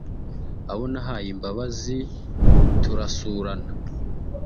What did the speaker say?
abo nahaye imbabazi turasurana